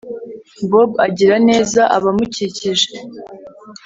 bob agira neza abamukikije